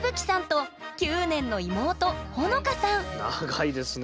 長いですね。